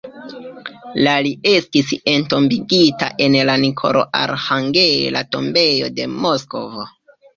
La li estis entombigita en la Nikolo-Arĥangela tombejo de Moskvo.